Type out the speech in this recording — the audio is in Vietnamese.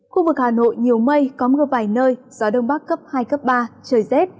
khu vực hà nội nhiều mây có mưa vài nơi gió đông bắc cấp hai cấp ba trời rét